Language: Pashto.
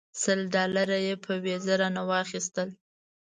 سل ډالره یې په ویزه رانه واخیستل.